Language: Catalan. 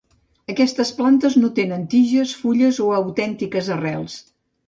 Aquestes plantes no tenen tiges, fulles o autèntiques arrels.